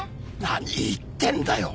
何言ってんだよ